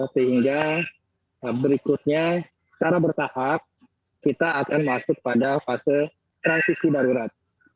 sehingga berikutnya secara bertahap kita akan masuk pada fase transisi darurat